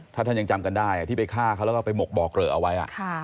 ถ้าท่านยังจำกันได้ที่ไปฆ่าเขาแล้วก็ไปหมกบ่อเกลอเอาไว้